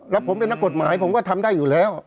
แล้วผมเป็นนักกฎหมายผมก็ทำได้อยู่แล้ว